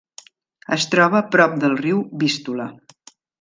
Es troba prop del riu Vístula.